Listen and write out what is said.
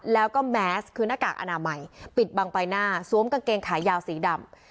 แล้วก็แมสคือหน้ากากอนามัยปิดบังใบหน้าสวมกางเกงขายาวสีดำ